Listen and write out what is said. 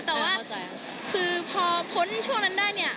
แต่ว่าคือพอพ้นช่วงนั้นได้เนี่ย